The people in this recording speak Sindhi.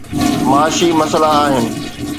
معاشي مسئلا آهن.